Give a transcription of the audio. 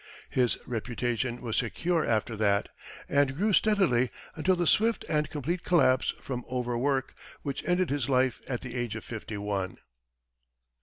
His reputation was secure after that, and grew steadily until the swift and complete collapse from over work, which ended his life at the age of fifty one.